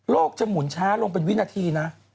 จะหมุนช้าลงเป็นวินาทีนะ